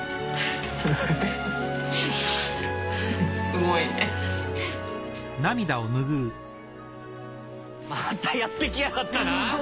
すごい。またやってきやがったな！